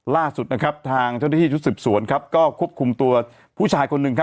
ล่าสุดทางเจ้าหน้าที่รู้สึกสวนก็ควบคุมตัวผู้ชายคนหนึ่ง